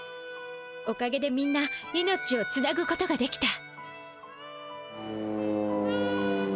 おかげでみんな命をつなぐことができた。